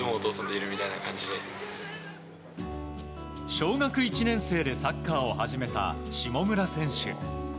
小学１年生でサッカーを始めた下村選手。